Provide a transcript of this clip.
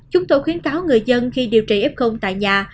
chúng tôi khuyến cáo người dân khi điều trị f tại nhà